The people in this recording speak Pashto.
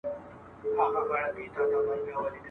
• د هاضمې سیستم پیاوړی کوي